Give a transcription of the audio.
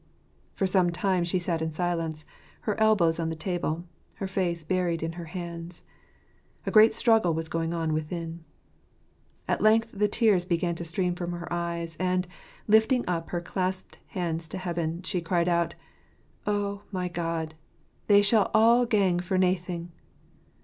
For some time she sat in silence, her elbows on the table, her face buried in her hands : a great struggle was going on within. At length the tears began to stream from her eyes, and, lifting up her clasped hands to heaven, she cried out, " Oh, my God, they shall all gang for naething